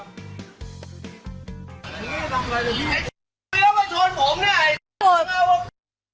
คุยกันดีคุยกันดีถ่ายคลิปอยู่